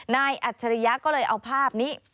นายอัชริยะก็เลยเอาภาพนี้